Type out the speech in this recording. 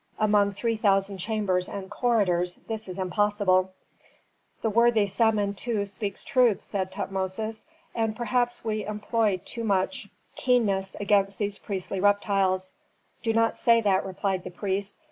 Among three thousand chambers and corridors this is impossible." "The worthy Samentu speaks truth," said Tutmosis. "And perhaps we employ too much keenness against these priestly reptiles." "Do not say that," replied the priest.